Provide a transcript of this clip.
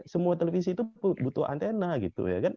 semua televisi itu butuh antena gitu ya kan